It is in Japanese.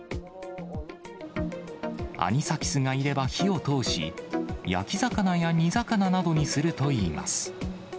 アニサキスがいれば火を通し、焼き魚や煮魚などにするといいます。